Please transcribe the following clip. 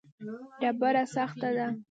ډبره سخته ده.